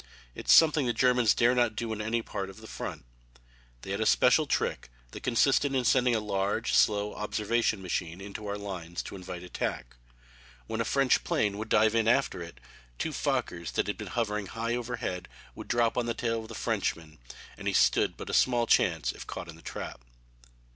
It is something the Germans dare not do on any other part of the front. They had a special trick that consisted in sending a large, slow observation machine into our lines to invite attack. When a French plane would dive after it, two Fokkers, that had been hovering high overhead, would drop on the tail of the Frenchman and he stood but small chance if caught in the trap.